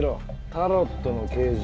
「タロットの啓示」。